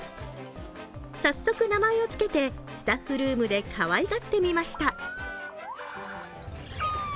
早速、名前を付けてスタッフルームでかわいがってみました。